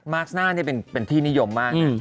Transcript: มาร์คสน่าเนี่ยเป็นที่นิยมมาก